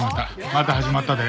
また始まったで。